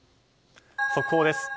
速報です。